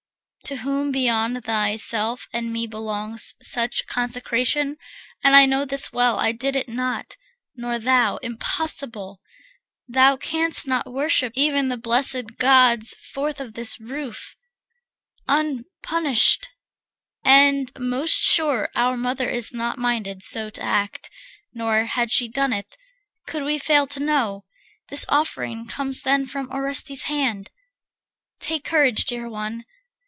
To whom beyond thyself and me belongs Such consecration? And I know this well, I did it not, nor thou. Impossible! Thou canst not worship even the blessèd Gods Forth of this roof, unpunished. And, most sure, Our mother is not minded so to act, Nor, had she done it, could we fail to know. This offering comes then of Orestes' hand. Take courage, dear one.